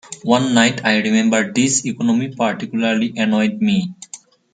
One night, I remember this economy particularly annoyed me.